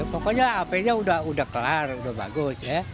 pokoknya hp nya udah kelar udah bagus ya